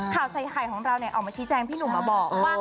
ข่าวใส่ไข่ของเราออกมาชี้แจงพี่หนุ่มมาบอกว่า